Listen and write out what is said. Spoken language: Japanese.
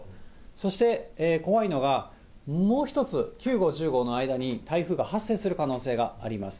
そして怖いのが、もう１つ、９号、１０号の間に台風が発生する可能性があります。